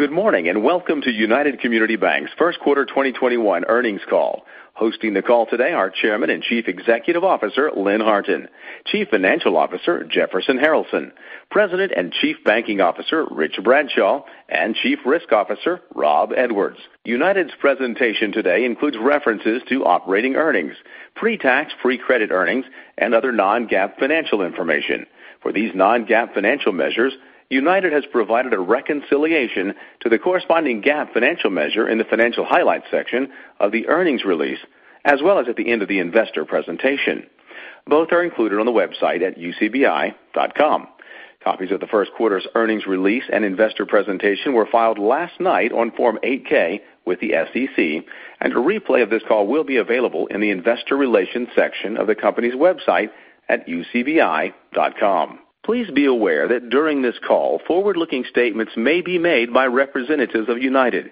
Good morning, and welcome to United Community Banks' first quarter 2021 earnings call. Hosting the call today are Chairman and Chief Executive Officer, Lynn Harton, Chief Financial Officer, Jefferson Harralson, President and Chief Banking Officer, Rich Bradshaw, and Chief Risk Officer, Rob Edwards. United's presentation today includes references to operating earnings, pre-tax pre-provision earnings, and other non-GAAP financial information. For these non-GAAP financial measures, United has provided a reconciliation to the corresponding GAAP financial measure in the financial highlights section of the earnings release, as well as at the end of the investor presentation. Both are included on the website at ucbi.com. Copies of the first quarter's earnings release and investor presentation were filed last night on Form 8-K with the SEC, and a replay of this call will be available in the investor relations section of the company's website at ucbi.com. Please be aware that during this call, forward-looking statements may be made by representatives of United.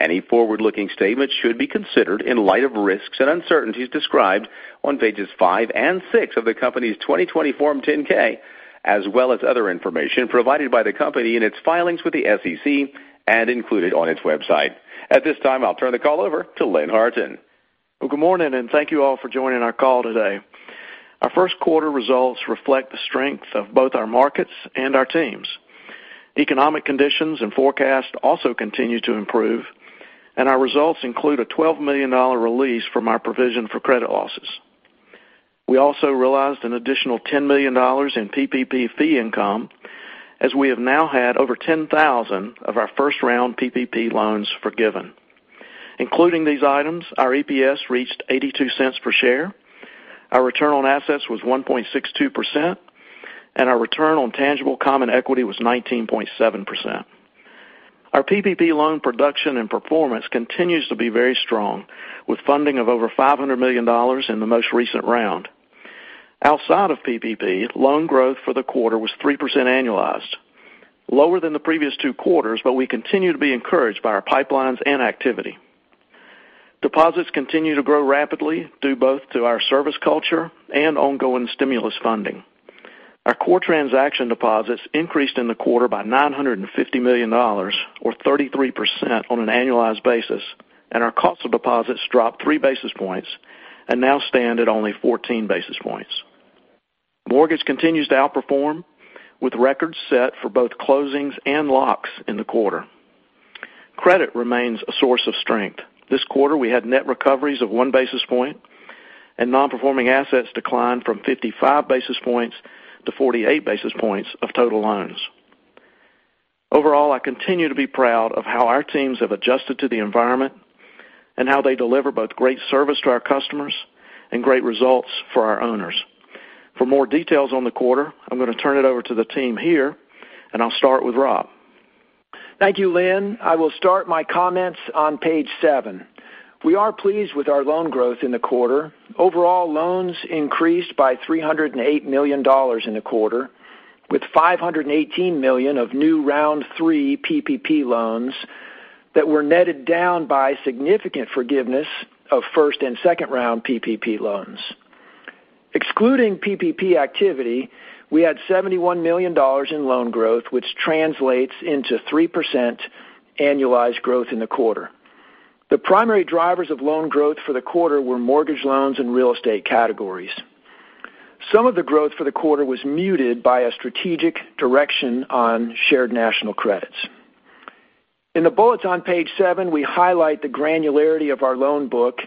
Any forward-looking statements should be considered in light of risks and uncertainties described on pages five and six of the company's 2020 Form 10-K, as well as other information provided by the company in its filings with the SEC and included on its website, ucbi.com. At this time, I'll turn the call over to Lynn Harton. Well, good morning, and thank you all for joining our call today. Our first quarter results reflect the strength of both our markets and our teams. Economic conditions and forecasts also continue to improve, and our results include a $12 million release from our provision for credit losses. We also realized an additional $10 million in PPP fee income, as we have now had over 10,000 of our first round PPP loans forgiven. Including these items, our EPS reached $0.82 per share, our return on assets was 1.62%, and our return on tangible common equity was 19.7%. Our PPP loan production and performance continues to be very strong, with funding of over $500 million in the most recent round. Outside of PPP, loan growth for the quarter was 3% annualized, lower than the previous two quarters, but we continue to be encouraged by our pipelines and activity. Deposits continue to grow rapidly due both to our service culture and ongoing stimulus funding. Our core transaction deposits increased in the quarter by $950 million, or 33% on an annualized basis. Our cost of deposits dropped three basis points and now stand at only 14 basis points. Mortgage continues to outperform, with records set for both closings and locks in the quarter. Credit remains a source of strength. This quarter, we had net recoveries of one basis point, and non-performing assets declined from 55 basis points to 48 basis points of total loans. Overall, I continue to be proud of how our teams have adjusted to the environment and how they deliver both great service to our customers and great results for our owners. For more details on the quarter, I'm going to turn it over to the team here, and I'll start with Rob. Thank you, Lynn. I will start my comments on page seven. We are pleased with our loan growth in the quarter. Overall loans increased by $308 million in the quarter, with $518 million of new round three PPP loans that were netted down by significant forgiveness of first and second round PPP loans. Excluding PPP activity, we had $71 million in loan growth, which translates into 3% annualized growth in the quarter. The primary drivers of loan growth for the quarter were mortgage loans and real estate categories. Some of the growth for the quarter was muted by a strategic direction on Shared National Credits. In the bullets on page seven, we highlight the granularity of our loan book,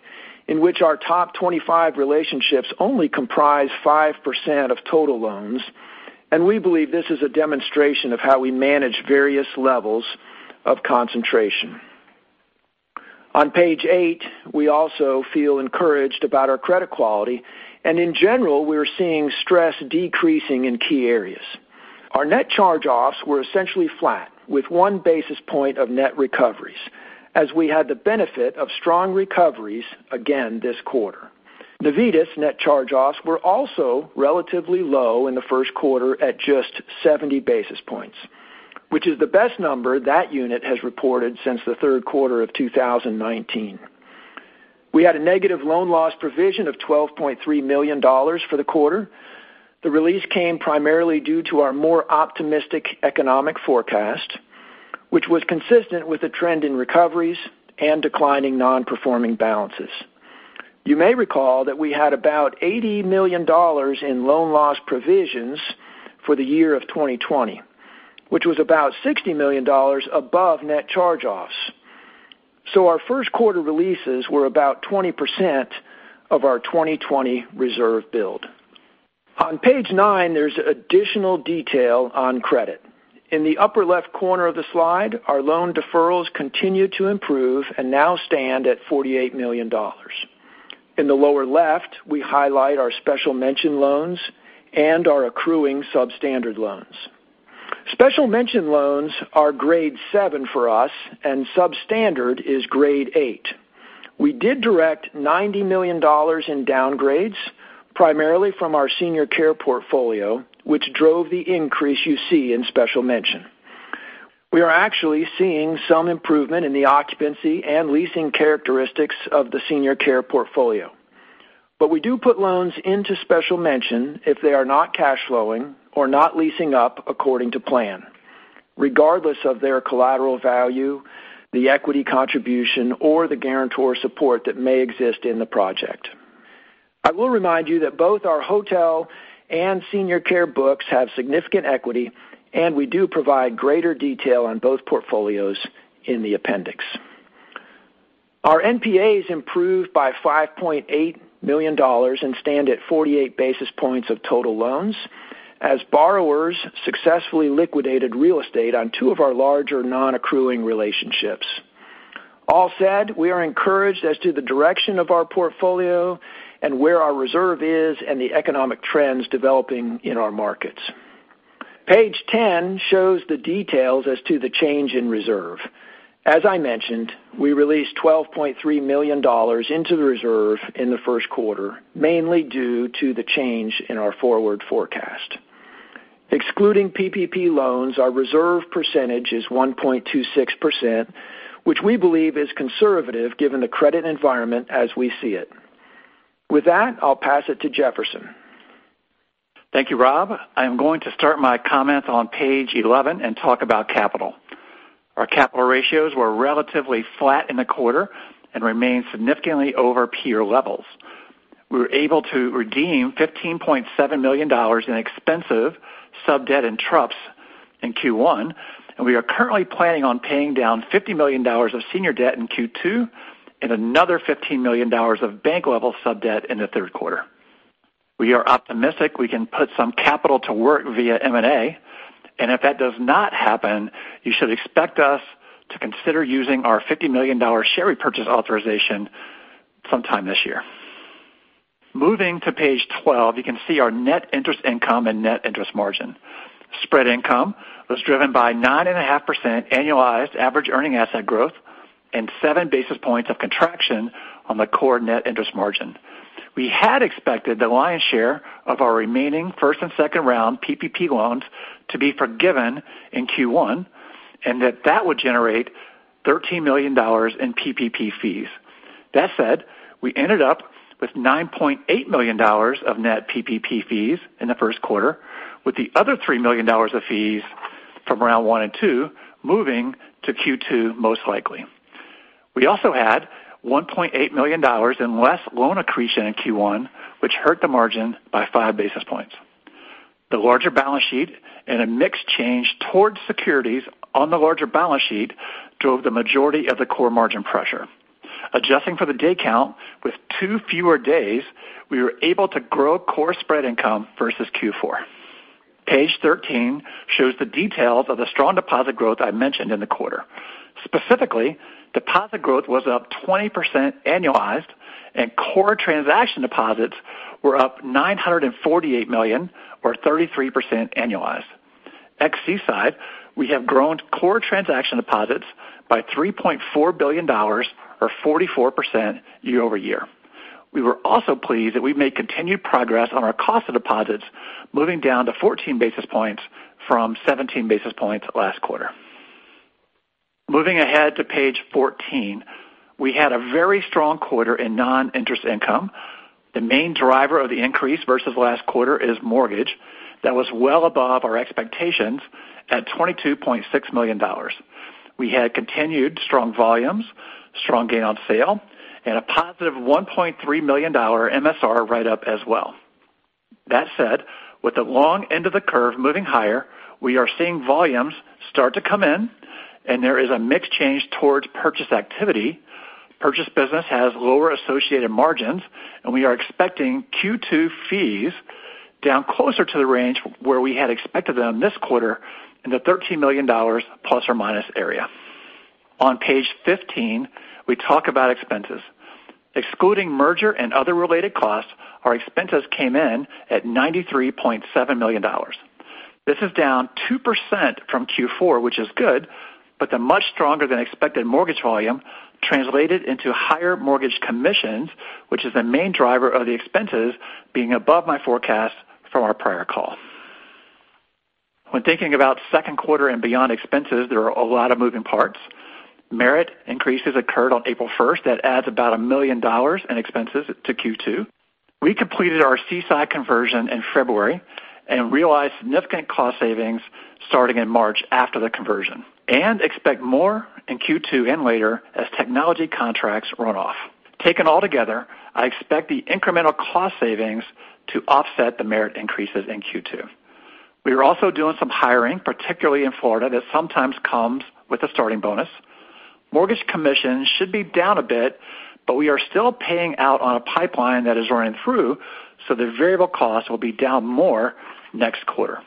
in which our top 25 relationships only comprise 5% of total loans, and we believe this is a demonstration of how we manage various levels of concentration. On page eight, we also feel encouraged about our credit quality, and in general, we're seeing stress decreasing in key areas. Our net charge-offs were essentially flat, with one basis point of net recoveries, as we had the benefit of strong recoveries again this quarter. Navitas net charge-offs were also relatively low in the first quarter at just 70 basis points, which is the best number that unit has reported since the third quarter of 2019. We had a negative loan loss provision of $12.3 million for the quarter. The release came primarily due to our more optimistic economic forecast, which was consistent with the trend in recoveries and declining non-performing balances. You may recall that we had about $80 million in loan loss provisions for the year of 2020, which was about $60 million above net charge-offs. Our first quarter releases were about 20% of our 2020 reserve build. On page nine, there's additional detail on credit. In the upper left corner of the slide, our loan deferrals continue to improve and now stand at $48 million. In the lower left, we highlight our special mention loans and our accruing substandard loans. Special mention loans are grade seven for us, and substandard is grade 8. We did direct $90 million in downgrades, primarily from our senior care portfolio, which drove the increase you see in special mention. We are actually seeing some improvement in the occupancy and leasing characteristics of the senior care portfolio. We do put loans into special mention if they are not cash flowing or not leasing up according to plan, regardless of their collateral value, the equity contribution, or the guarantor support that may exist in the project. I will remind you that both our hotel and senior care books have significant equity, and we do provide greater detail on both portfolios in the appendix. Our NPAs improved by $5.8 million and stand at 48 basis points of total loans as borrowers successfully liquidated real estate on two of our larger non-accruing relationships. All said, we are encouraged as to the direction of our portfolio and where our reserve is and the economic trends developing in our markets. Page 10 shows the details as to the change in reserve. As I mentioned, we released $12.3 million into the reserve in the first quarter, mainly due to the change in our forward forecast. Excluding PPP loans, our reserve percentage is 1.26%, which we believe is conservative given the credit environment as we see it. With that, I'll pass it to Jefferson. Thank you, Rob. I'm going to start my comments on page 11 and talk about capital. Our capital ratios were relatively flat in the quarter and remain significantly over peer levels. We were able to redeem $15.7 million in expensive sub-debt and TRUP in Q1, and we are currently planning on paying down $50 million of senior debt in Q2 and another $15 million of bank-level sub-debt in the third quarter. We are optimistic we can put some capital to work via M&A, and if that does not happen, you should expect us to consider using our $50 million share repurchase authorization sometime this year. Moving to page 12, you can see our net interest income and net interest margin. Spread income was driven by 9.5% annualized average earning asset growth and seven basis points of contraction on the core net interest margin. We had expected the lion's share of our remaining first and second-round PPP loans to be forgiven in Q1 and that that would generate $13 million in PPP fees. That said, we ended up with $9.8 million of net PPP fees in the first quarter, with the other $3 million of fees from round one and two moving to Q2 most likely. We also had $1.8 million in less loan accretion in Q1, which hurt the margin by five basis points. The larger balance sheet and a mix change towards securities on the larger balance sheet drove the majority of the core margin pressure. Adjusting for the day count with two fewer days, we were able to grow core spread income versus Q4. Page 13 shows the details of the strong deposit growth I mentioned in the quarter. Specifically, deposit growth was up 20% annualized and core transaction deposits were up $948 million or 33% annualized. At Seaside, we have grown core transaction deposits by $3.4 billion or 44% year-over-year. We were also pleased that we've made continued progress on our cost of deposits moving down to 14 basis points from 17 basis points last quarter. Moving ahead to page 14. We had a very strong quarter in non-interest income. The main driver of the increase versus last quarter is mortgage. That was well above our expectations at $22.6 million. We had continued strong volumes, strong gain on sale, and a positive $1.3 million MSR write-up as well. That said, with the long end of the curve moving higher, we are seeing volumes start to come in and there is a mix change towards purchase activity. Purchase business has lower associated margins. We are expecting Q2 fees down closer to the range where we had expected them this quarter in the $13 million plus or minus area. On page 15, we talk about expenses. Excluding merger and other related costs, our expenses came in at $93.7 million. This is down 2% from Q4, which is good, but the much stronger than expected mortgage volume translated into higher mortgage commissions, which is the main driver of the expenses being above my forecast from our prior call. When thinking about second quarter and beyond expenses, there are a lot of moving parts. Merit increases occurred on April 1st. That adds about $1 million in expenses to Q2. We completed our Seaside conversion in February and realized significant cost savings starting in March after the conversion and expect more in Q2 and later as technology contracts run off. Taken all together, I expect the incremental cost savings to offset the merit increases in Q2. We are also doing some hiring, particularly in Florida, that sometimes comes with a starting bonus. Mortgage commissions should be down a bit, but we are still paying out on a pipeline that is running through, so the variable cost will be down more next quarter.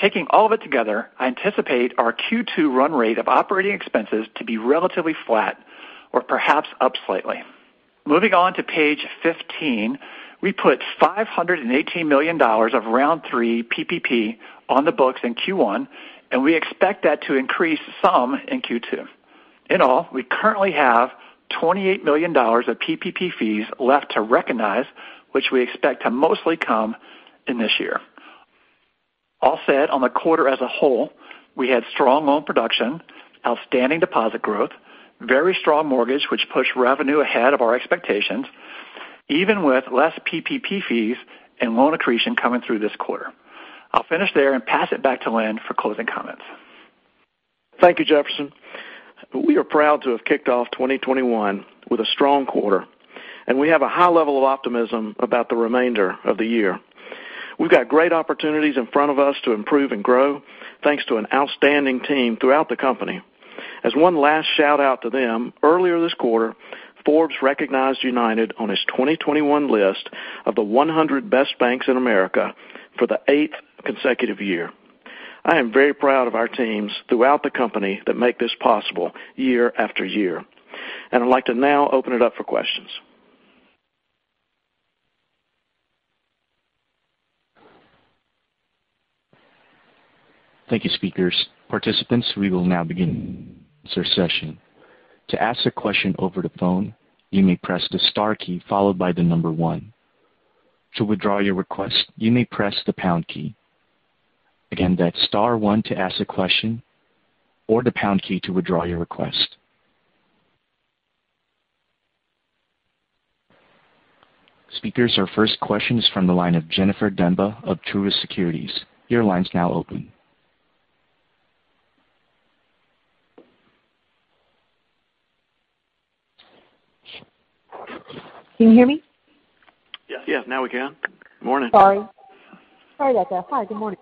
Taking all of it together, I anticipate our Q2 run rate of operating expenses to be relatively flat or perhaps up slightly. Moving on to page 15. We put $518 million of round three PPP on the books in Q1, and we expect that to increase some in Q2. In all, we currently have $28 million of PPP fees left to recognize, which we expect to mostly come in this year. All said on the quarter as a whole, we had strong loan production, outstanding deposit growth, very strong mortgage, which pushed revenue ahead of our expectations, even with less PPP fees and loan accretion coming through this quarter. I'll finish there and pass it back to Lynn for closing comments. Thank you, Jefferson. We are proud to have kicked off 2021 with a strong quarter, and we have a high level of optimism about the remainder of the year. We've got great opportunities in front of us to improve and grow, thanks to an outstanding team throughout the company. As one last shout-out to them, earlier this quarter, Forbes recognized United on its 2021 list of the 100 best banks in America for the eighth consecutive year. I am very proud of our teams throughout the company that make this possible year after year. I'd like to now open it up for questions. Thank you, speakers. Participants, we will now begin this session. To ask a question over the phone, you may press the star key, followed by the number one. To withdraw your request, you may press the pound key. Again, that's star one to ask a question or the pound key to withdraw your request. Speakers, our first question is from the line of Jennifer Demba of Truist Securities. Your line's now open. Can you hear me? Yes, now we can. Morning. Sorry. Sorry about that. Hi, good morning.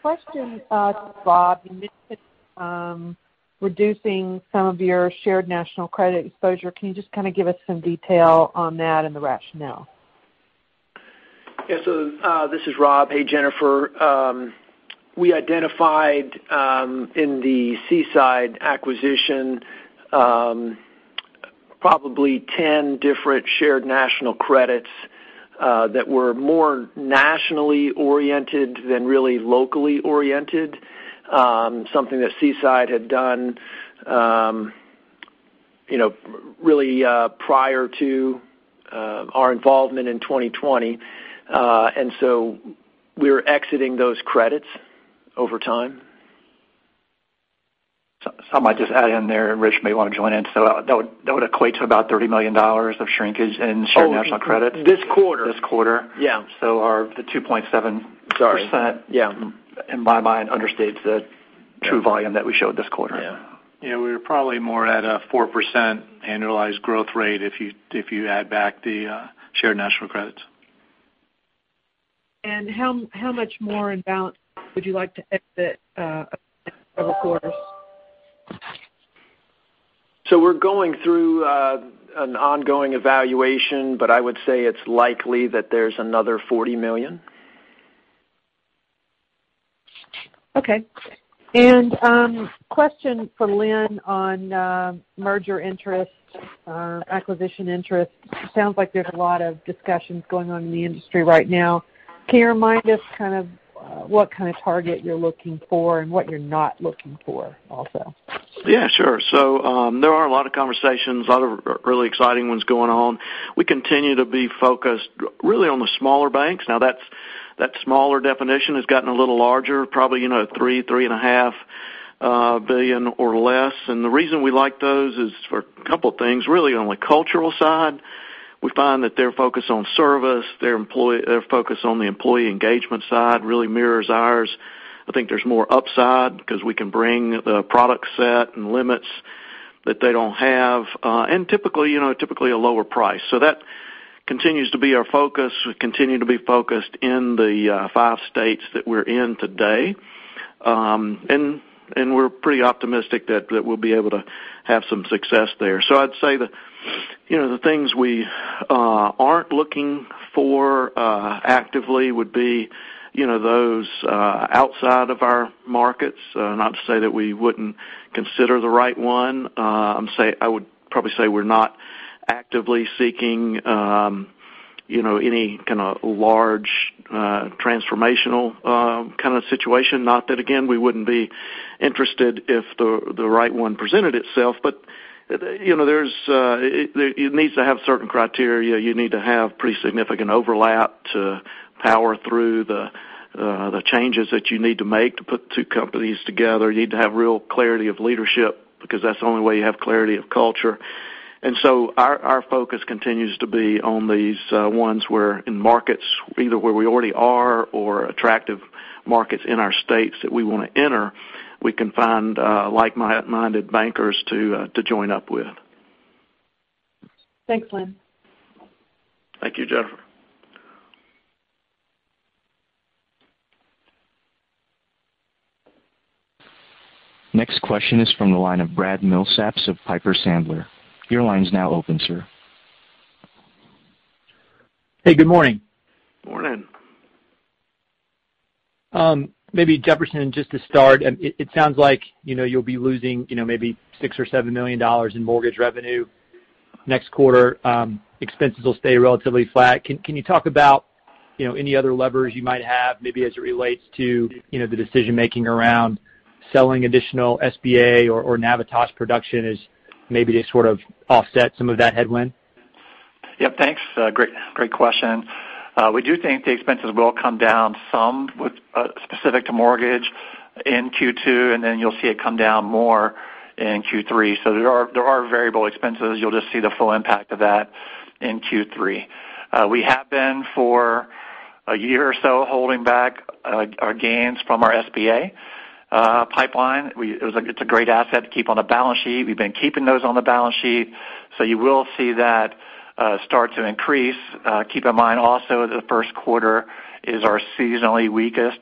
Question to Rob. You mentioned reducing some of your Shared National Credit exposure. Can you just kind of give us some detail on that and the rationale? Yes. This is Rob. Hey, Jennifer. We identified in the Seaside acquisition probably 10 different Shared National Credits that were more nationally oriented than really locally oriented. Something that Seaside had done really prior to our involvement in 2020. We're exiting those credits over time. I might just add in there, and Rich may want to join in. That would equate to about $30 million of shrinkage in Shared National Credits. This quarter? This quarter. Yeah. The 2.7%. Sorry. Yeah. In my mind, understates the true volume that we showed this quarter. Yeah. Yeah, we're probably more at a 4% annualized growth rate if you add back the Shared National Credits. How much more in balance would you like to exit over quarters? We're going through an ongoing evaluation, but I would say it's likely that there's another $40 million. Okay. Question for Lynn on merger interest, acquisition interest. It sounds like there's a lot of discussions going on in the industry right now. Can you remind us what kind of target you're looking for and what you're not looking for also? Yeah, sure. There are a lot of conversations, a lot of really exciting ones going on. We continue to be focused really on the smaller banks. That smaller definition has gotten a little larger, probably $3 billion, $3 and a half billion or less. The reason we like those is for a couple of things. On the cultural side, we find that their focus on service, their focus on the employee engagement side really mirrors ours. I think there's more upside because we can bring the product set and limits that they don't have. Typically a lower price. That continues to be our focus. We continue to be focused in the five states that we're in today. We're pretty optimistic that we'll be able to have some success there. I'd say the things we aren't looking for actively would be those outside of our markets. Not to say that we wouldn't consider the right one. I would probably say we're not actively seeking any kind of large transformational kind of situation. Not that, again, we wouldn't be interested if the right one presented itself. It needs to have certain criteria. You need to have pretty significant overlap to power through the changes that you need to make to put two companies together. You need to have real clarity of leadership, because that's the only way you have clarity of culture. Our focus continues to be on these ones where in markets, either where we already are or attractive markets in our states that we want to enter, we can find like-minded bankers to join up with. Thanks, Lynn. Thank you, Jennifer. Next question is from the line of Brad Milsaps of Piper Sandler. Your line is now open, sir. Hey, good morning. Morning. Maybe Jefferson, just to start, it sounds like you'll be losing maybe $6 or $7 million in mortgage revenue next quarter. Expenses will stay relatively flat. Can you talk about any other levers you might have, maybe as it relates to the decision-making around selling additional SBA or Navitas production as maybe to sort of offset some of that headwind? Yep. Thanks. Great question. We do think the expenses will come down some with specific to mortgage in Q2, and then you'll see it come down more in Q3. There are variable expenses. You'll just see the full impact of that in Q3. We have been for a year or so, holding back our gains from our SBA pipeline. It's a great asset to keep on the balance sheet. We've been keeping those on the balance sheet, so you will see that start to increase. Keep in mind also, the first quarter is our seasonally weakest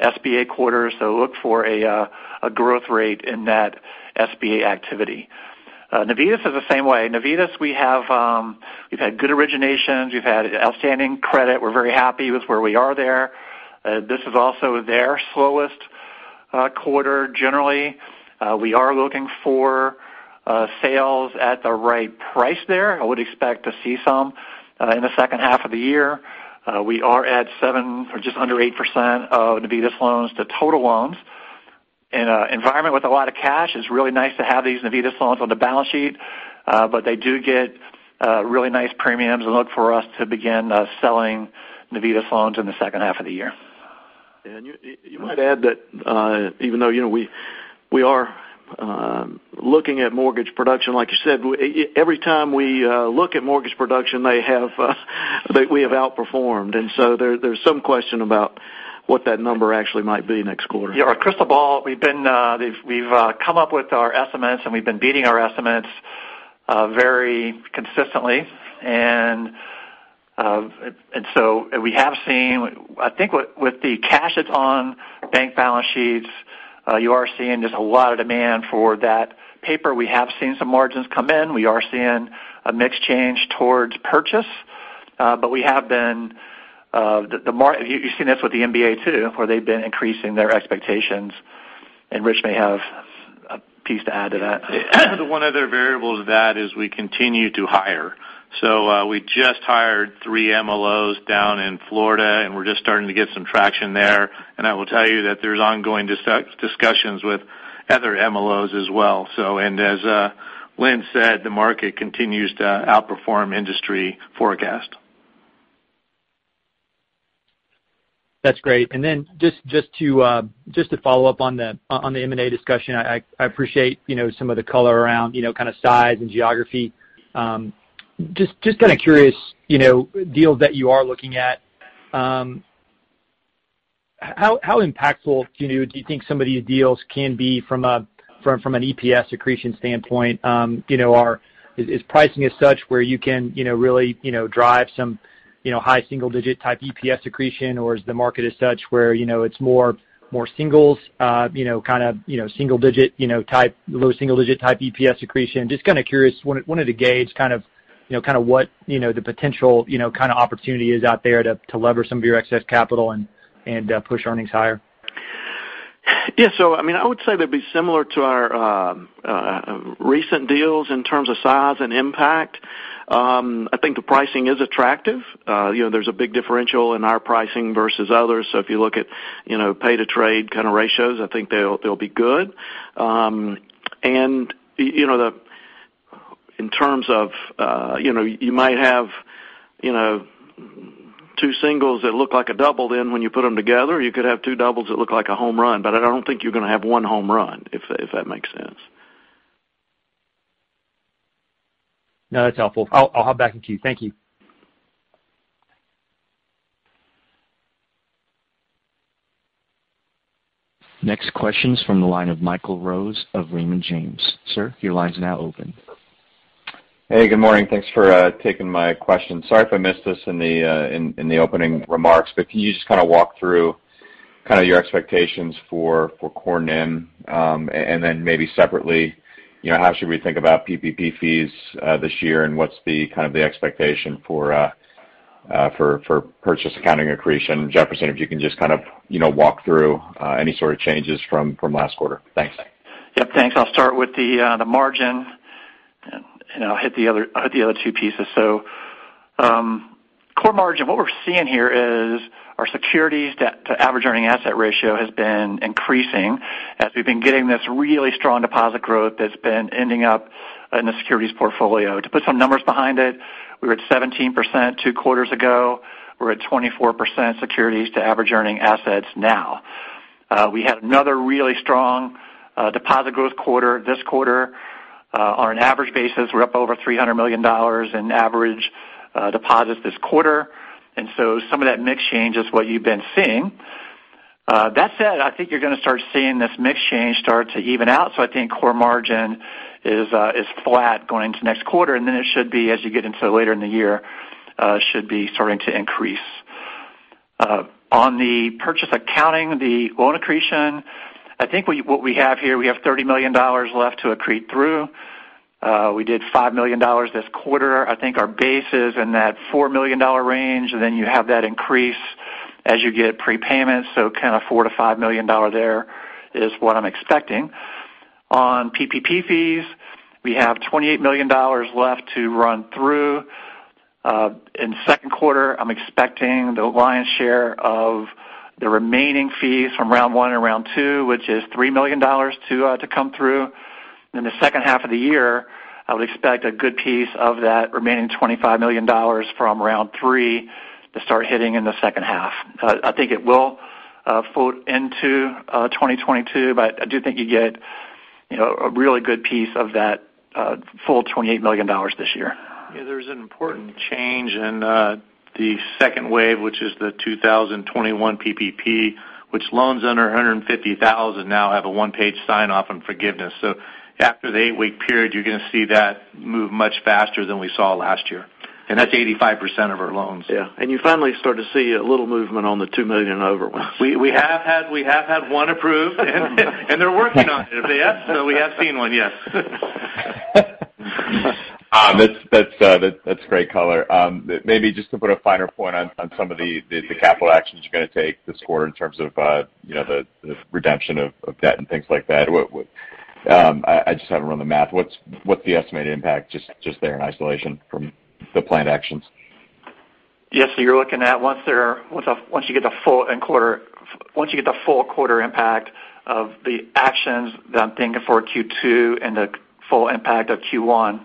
SBA quarter. Look for a growth rate in that SBA activity. Navitas is the same way. Navitas, we've had good originations. We've had outstanding credit. We're very happy with where we are there. This is also their slowest quarter, generally. We are looking for sales at the right price there. I would expect to see some in the second half of the year. We are at 7% or just under 8% of Navitas loans to total loans. In an environment with a lot of cash, it's really nice to have these Navitas loans on the balance sheet. They do get really nice premiums, and look for us to begin selling Navitas loans in the second half of the year. You might add that even though we are looking at mortgage production, like you said, every time we look at mortgage production, we have outperformed. There's some question about what that number actually might be next quarter. Yeah. Our crystal ball, we've come up with our estimates, and we've been beating our estimates very consistently. I think with the cash that's on bank balance sheets, you are seeing just a lot of demand for that paper. We have seen some margins come in. We are seeing a mix change towards purchase. You've seen this with the MBA, too, where they've been increasing their expectations, and Rich may have a piece to add to that. One other variable to that is we continue to hire. We just hired three MLOs down in Florida, and we're just starting to get some traction there. I will tell you that there's ongoing discussions with other MLOs as well. As Lynn said, the market continues to outperform industry forecast. That's great. Then just to follow up on the M&A discussion, I appreciate some of the color around size and geography. Kind of curious, deals that you are looking at, how impactful do you think some of these deals can be from an EPS accretion standpoint? Pricing as such where you can really drive some high single-digit type EPS accretion, is the market as such where it's more singles, kind of low single-digit type EPS accretion? Kind of curious, wanted to gauge kind of what the potential opportunity is out there to lever some of your excess capital and push earnings higher. Yeah. I would say they'd be similar to our recent deals in terms of size and impact. I think the pricing is attractive. There's a big differential in our pricing versus others. If you look at pay to trade kind of ratios, I think they'll be good. In terms of you might have two singles that look like a double, then when you put them together, you could have two doubles that look like a home run. I don't think you're going to have one home run, if that makes sense. No, that's helpful. I'll hop back in queue. Thank you. Next question's from the line of Michael Rose of Raymond James. Sir, your line's now open. Hey, good morning. Thanks for taking my question. Sorry if I missed this in the opening remarks, can you just kind of walk through your expectations for core NIM? Maybe separately, how should we think about PPP fees this year, and what's the expectation for purchase accounting accretion? Jefferson, if you can just kind of walk through any sort of changes from last quarter. Thanks. Yep, thanks. I'll start with the margin, and I'll hit the other two pieces. Core margin, what we're seeing here is our securities to average earning asset ratio has been increasing as we've been getting this really strong deposit growth that's been ending up in the securities portfolio. To put some numbers behind it, we were at 17% two quarters ago. We're at 24% securities to average earning assets now. We had another really strong deposit growth quarter this quarter. On an average basis, we're up over $300 million in average deposits this quarter, some of that mix change is what you've been seeing. That said, I think you're going to start seeing this mix change start to even out. I think core margin is flat going into next quarter, and then it should be, as you get into later in the year, should be starting to increase. On the purchase accounting, the loan accretion, I think what we have here, we have $30 million left to accrete through. We did $5 million this quarter. I think our base is in that $4 million range, and then you have that increase as you get prepayments. Kind of $4-$5 million there is what I'm expecting. On PPP fees, we have $28 million left to run through. In the second quarter, I'm expecting the lion's share of the remaining fees from round one and round two, which is $3 million to come through. In the second half of the year, I would expect a good piece of that remaining $25 million from round three to start hitting in the second half. I do think you get a really good piece of that full $28 million this year. Yeah. There's an important change in the second wave, which is the 2021 PPP, which loans under 150,000 now have a one-page sign-off on forgiveness. After the eight-week period, you're going to see that move much faster than we saw last year. That's 85% of our loans. Yeah. You finally start to see a little movement on the $2 million over ones. We have had one approved and they're working on it. We have seen one, yes. That's great color. Maybe just to put a finer point on some of the capital actions you're going to take this quarter in terms of the redemption of debt and things like that. I just haven't run the math. What's the estimated impact just there in isolation from the planned actions? You're looking at once you get the full quarter impact of the actions that I'm thinking for Q2 and the full impact of Q1.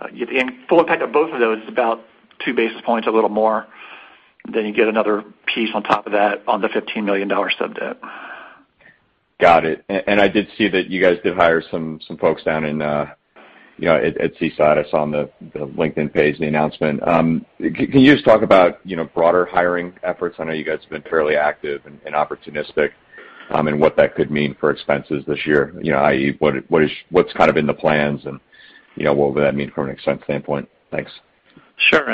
The full impact of both of those is about two basis points, a little more. You get another piece on top of that on the $15 million sub-debt. Got it. I did see that you guys did hire some folks down at Seaside. I saw on the LinkedIn page, the announcement. Can you just talk about broader hiring efforts? I know you guys have been fairly active and opportunistic, and what that could mean for expenses this year, i.e., what's kind of in the plans and what will that mean from an expense standpoint? Thanks. Sure.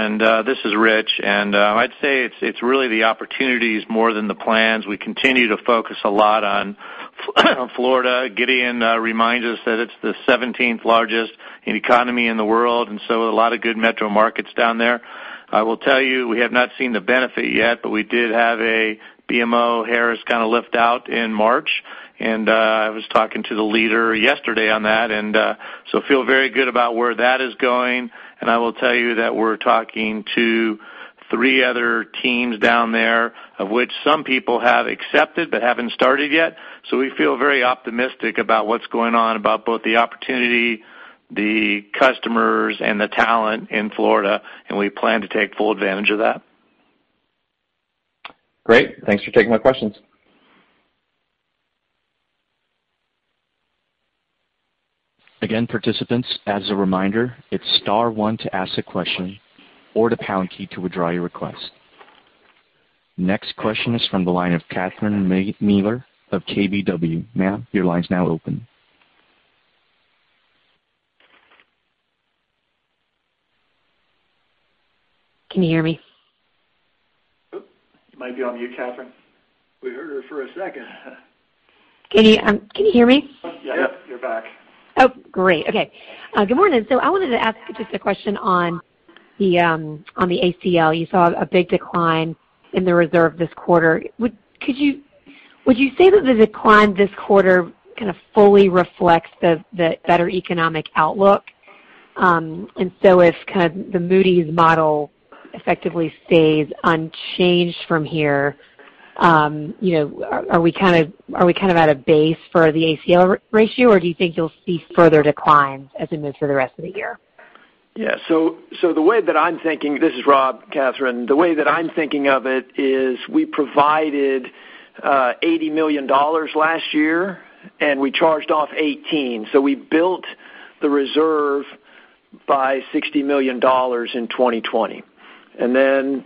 This is Rich. I'd say it's really the opportunities more than the plans. We continue to focus a lot on Florida. Gideon reminds us that it's the 17th largest economy in the world, and so a lot of good metro markets down there. I will tell you, we have not seen the benefit yet, but we did have a BMO Harris kind of lift out in March, and I was talking to the leader yesterday on that. Feel very good about where that is going. I will tell you that we're talking to three other teams down there, of which some people have accepted but haven't started yet. We feel very optimistic about what's going on, about both the opportunity, the customers, and the talent in Florida. We plan to take full advantage of that. Great. Thanks for taking my questions. Again, participants, as a reminder, it's star one to ask a question or the pound key to withdraw your request. Next question is from the line of Catherine Mealor of KBW. Ma'am, your line's now open. Can you hear me? You might be on mute, Catherine. We heard her for a second. Can you hear me? Yeah. Yep. You're back. Oh, great. Okay. Good morning. I wanted to ask just a question on the ACL. You saw a big decline in the reserve this quarter. Would you say that the decline this quarter kind of fully reflects the better economic outlook? If kind of the Moody's model effectively stays unchanged from here, are we kind of at a base for the ACL ratio, or do you think you'll see further declines as we move through the rest of the year? Yeah. This is Rob, Catherine. The way that I'm thinking of it is we provided $80 million last year and we charged off 18. We built the reserve by $60 million in 2020. To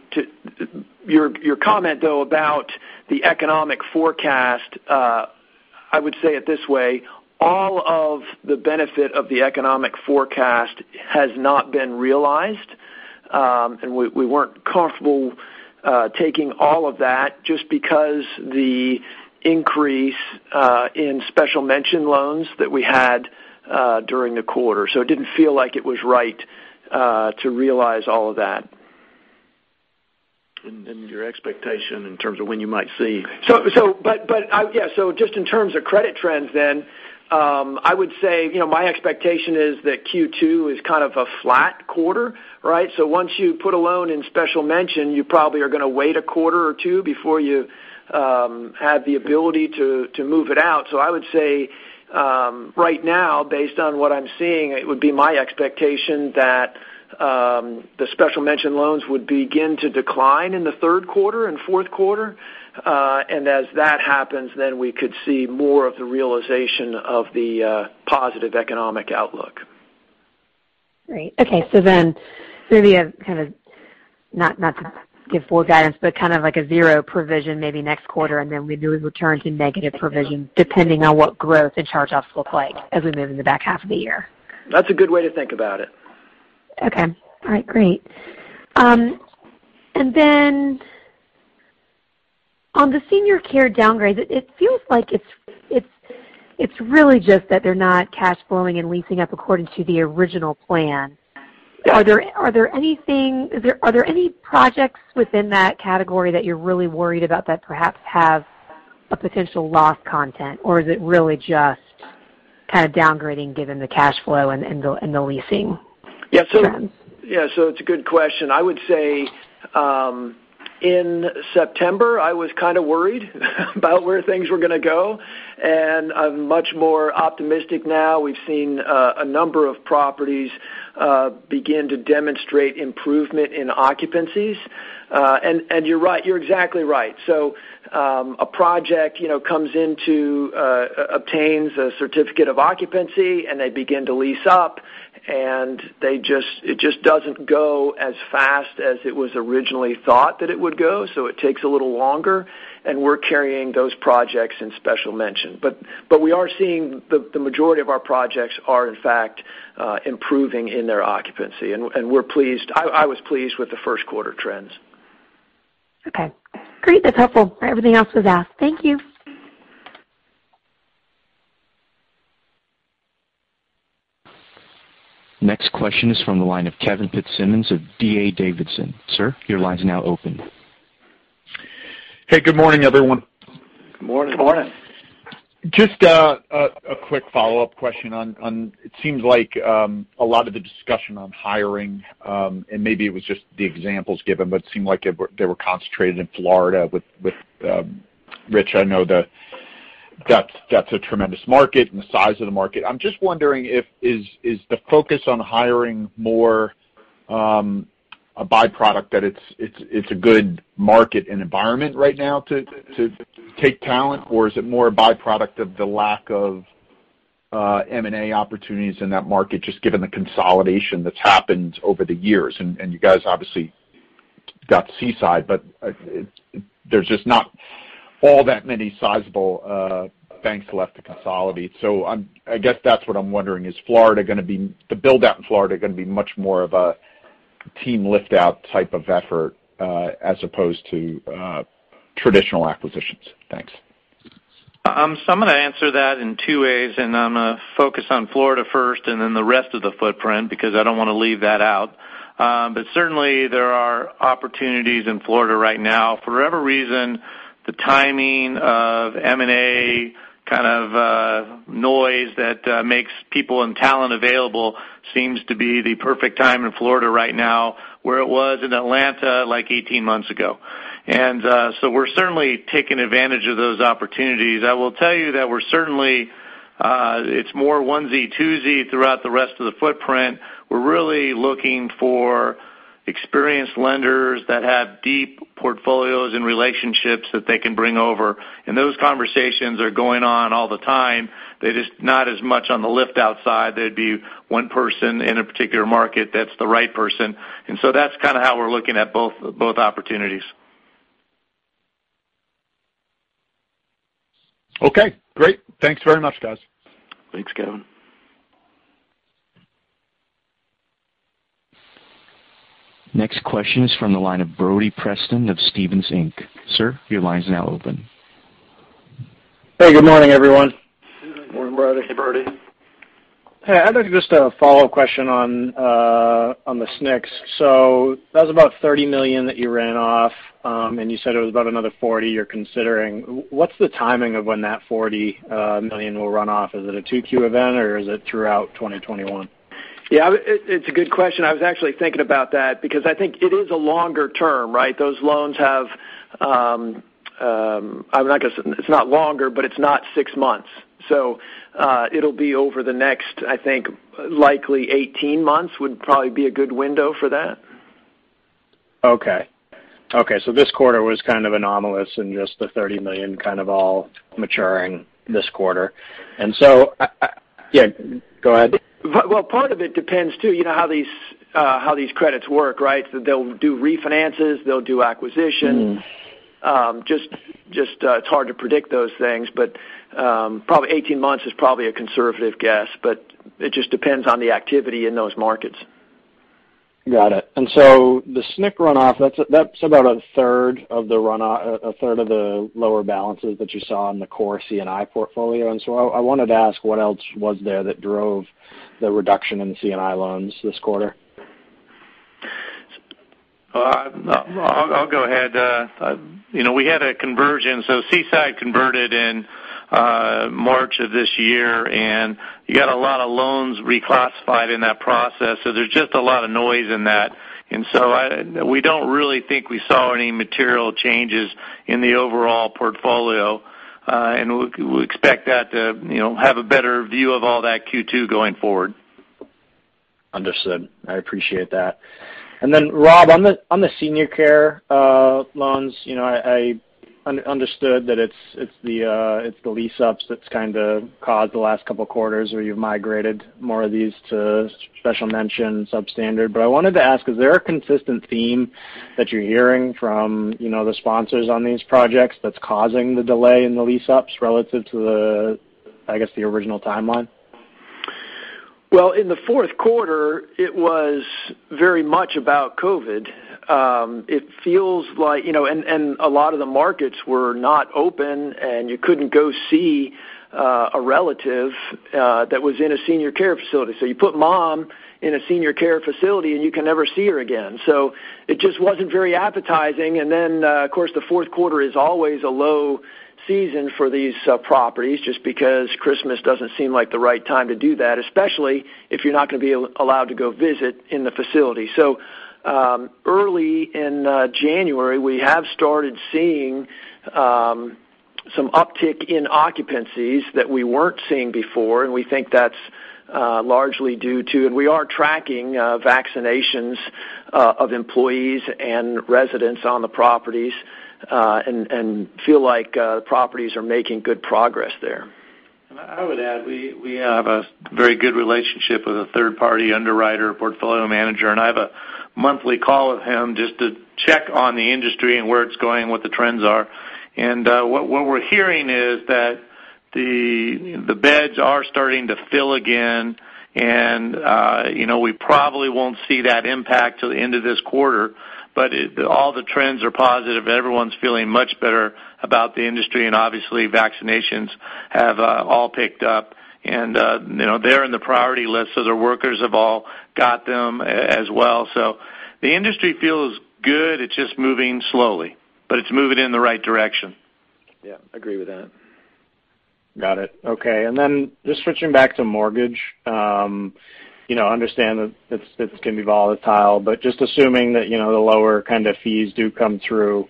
your comment though about the economic forecast, I would say it this way, all of the benefit of the economic forecast has not been realized. We weren't comfortable taking all of that just because the increase in special mention loans that we had during the quarter. It didn't feel like it was right to realize all of that. Your expectation in terms of when you might see. Yeah. Just in terms of credit trends then, I would say my expectation is that Q2 is kind of a flat quarter, right? Once you put a loan in special mention, you probably are going to wait a quarter or two before you have the ability to move it out. I would say right now, based on what I'm seeing, it would be my expectation that the special mention loans would begin to decline in the third quarter and fourth quarter. As that happens, then we could see more of the realization of the positive economic outlook. Great. Okay. Maybe a kind of, not to give full guidance, but kind of like a zero provision maybe next quarter, and then we return to negative provision depending on what growth and charge-offs look like as we move in the back half of the year. That's a good way to think about it. Okay. All right, great. On the senior care downgrades, it feels like it's really just that they're not cash flowing and leasing up according to the original plan. Are there any projects within that category that you're really worried about that perhaps have a potential loss content? Is it really just kind of downgrading given the cash flow and the leasing trends. Yeah. It's a good question. I would say, in September, I was kind of worried about where things were going to go, and I'm much more optimistic now. We've seen a number of properties begin to demonstrate improvement in occupancies. You're exactly right. A project obtains a certificate of occupancy, and they begin to lease up, and it just doesn't go as fast as it was originally thought that it would go. It takes a little longer, and we're carrying those projects in special mention. We are seeing the majority of our projects are in fact, improving in their occupancy, and we're pleased. I was pleased with the first quarter trends. Okay. Great. That's helpful. Everything else was asked. Thank you. Next question is from the line of Kevin Fitzsimmons of D.A. Davidson. Sir, your line's now open. Hey, good morning, everyone. Good morning. Good morning. Just a quick follow-up question on, it seems like, a lot of the discussion on hiring, and maybe it was just the examples given, but it seemed like they were concentrated in Florida. Rich, I know that's a tremendous market and the size of the market. I'm just wondering, is the focus on hiring more a by-product that it's a good market and environment right now to take talent, or is it more a by-product of the lack of M&A opportunities in that market, just given the consolidation that's happened over the years? You guys obviously got Seaside, but there's just not all that many sizable banks left to consolidate. I guess that's what I'm wondering. Is the build-out in Florida going to be much more of a team lift-out type of effort, as opposed to traditional acquisitions? Thanks. I'm going to answer that in two ways, I'm going to focus on Florida first and then the rest of the footprint, because I don't want to leave that out. Certainly, there are opportunities in Florida right now. For whatever reason, the timing of M&A kind of noise that makes people and talent available seems to be the perfect time in Florida right now, where it was in Atlanta like 18 months ago. We're certainly taking advantage of those opportunities. I will tell you that we're certainly, it's more onesie, twosie throughout the rest of the footprint. We're really looking for experienced lenders that have deep portfolios and relationships that they can bring over. Those conversations are going on all the time. They're just not as much on the lift outside. They'd be one person in a particular market that's the right person. That's kind of how we're looking at both opportunities. Okay, great. Thanks very much, guys. Thanks, Kevin. Next question is from the line of Brody Preston of Stephens Inc. Sir, your line is now open. Hey, good morning, everyone. Morning, Brody. Hey, Brody. Hey, I'd like just a follow-up question on the SNCs. That was about $30 million that you ran off. You said it was about another $40 you're considering. What's the timing of when that $40 million will run off? Is it a 2Q event, or is it throughout 2021? Yeah, it's a good question. I was actually thinking about that because I think it is a longer term, right? It's not longer, but it's not six months. It'll be over the next, I think, likely 18 months would probably be a good window for that. Okay. This quarter was kind of anomalous and just the $30 million kind of all maturing this quarter. Yeah, go ahead. Well, part of it depends too, how these credits work, right? They'll do refinances. They'll do acquisitions. Just it's hard to predict those things, but 18 months is probably a conservative guess, but it just depends on the activity in those markets. Got it. The SNC run-off, that's about a third of the lower balances that you saw in the core C&I portfolio. I wanted to ask, what else was there that drove the reduction in C&I loans this quarter? I'll go ahead. We had a conversion. Seaside converted in March of this year, and you got a lot of loans reclassified in that process. There's just a lot of noise in that. We don't really think we saw any material changes in the overall portfolio. We expect that to have a better view of all that Q2 going forward. Understood. I appreciate that. Rob, on the senior care loans. I understood that it's the lease-ups that's kind of caused the last couple of quarters where you've migrated more of these to special mention substandard. I wanted to ask, is there a consistent theme that you're hearing from the sponsors on these projects that's causing the delay in the lease-ups relative to the, I guess, the original timeline? Well, in the fourth quarter, it was very much about COVID. A lot of the markets were not open, and you couldn't go see a relative that was in a senior care facility. You put mom in a senior care facility, and you can never see her again. It just wasn't very appetizing. Season for these properties, just because Christmas doesn't seem like the right time to do that, especially if you're not going to be allowed to go visit in the facility. Early in January, we have started seeing some uptick in occupancies that we weren't seeing before, and we think that's largely due to. We are tracking vaccinations of employees and residents on the properties, and feel like the properties are making good progress there. I would add, we have a very good relationship with a third-party underwriter portfolio manager, and I have a monthly call with him just to check on the industry and where it's going, what the trends are. What we're hearing is that the beds are starting to fill again and we probably won't see that impact till the end of this quarter, but all the trends are positive. Everyone's feeling much better about the industry, and obviously vaccinations have all picked up and they're in the priority list, so their workers have all got them as well. The industry feels good. It's just moving slowly, but it's moving in the right direction. Yeah, agree with that. Got it. Okay. Just switching back to mortgage. Understand that this can be volatile, but just assuming that the lower kind of fees do come through,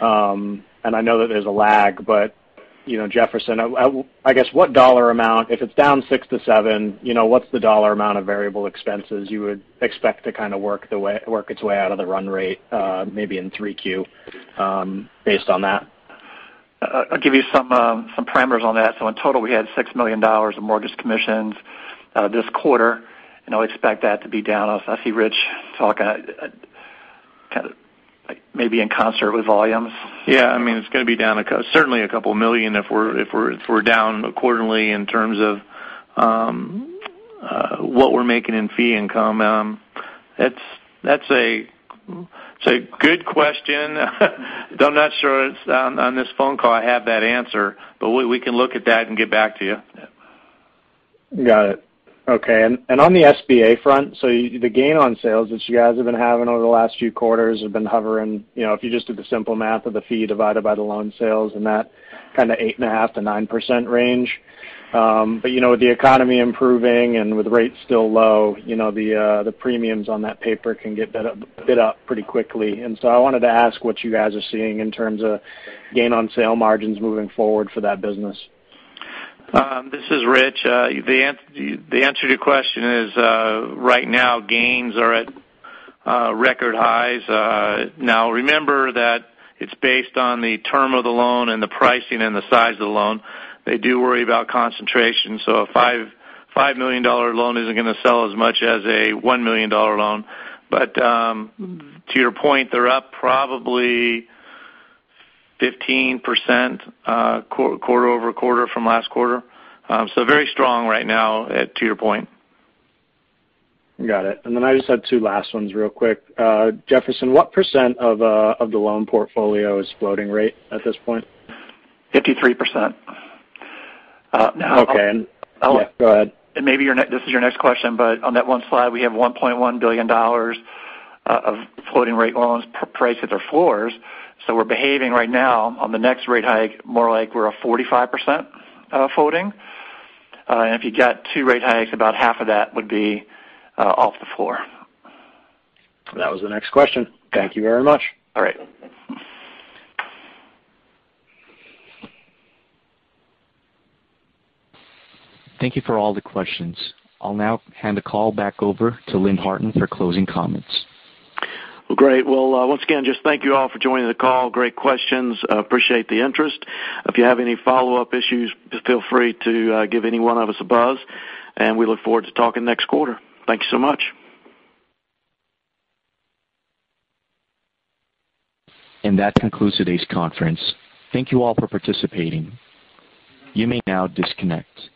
and I know that there's a lag, but Jefferson, I guess what dollar amount, if it's down six to seven, what's the dollar amount of variable expenses you would expect to work its way out of the run rate, maybe in three Q, based on that? I'll give you some parameters on that. In total, we had $6 million of mortgage commissions this quarter, and I would expect that to be down. I see Rich talking, maybe in concert with volumes. Yeah, it's going to be down certainly a couple million if we're down accordingly in terms of what we're making in fee income. That's a good question. Though I'm not sure on this phone call I have that answer, but we can look at that and get back to you. Yeah. Got it. Okay. On the SBA front, the gain on sales that you guys have been having over the last few quarters have been hovering, if you just did the simple math of the fee divided by the loan sales and that kind of eight and a half to 9% range. With the economy improving and with rates still low, the premiums on that paper can get bit up pretty quickly. I wanted to ask what you guys are seeing in terms of gain on sale margins moving forward for that business. This is Rich. The answer to your question is, right now, gains are at record highs. Remember that it's based on the term of the loan and the pricing and the size of the loan. They do worry about concentration. A $5 million loan isn't going to sell as much as a $1 million loan. To your point, they're up probably 15% quarter-over-quarter from last quarter. Very strong right now at to your point. Got it. I just had two last ones real quick. Jefferson, what % of the loan portfolio is floating rate at this point? 53%. Okay. And I'll Yeah, go ahead. Maybe this is your next question, but on that one slide, we have $1.1 billion of floating rate loans priced at their floors. We're behaving right now on the next rate hike, more like we're a 45% floating. If you get two rate hikes, about half of that would be off the floor. That was the next question. Thank you very much. All right. Thank you for all the questions. I'll now hand the call back over to Lynn Harton for closing comments. Well, great. Well, once again, just thank you all for joining the call. Great questions. Appreciate the interest. If you have any follow-up issues, just feel free to give any one of us a buzz, and we look forward to talking next quarter. Thank you so much. That concludes today's conference. Thank you all for participating. You may now disconnect.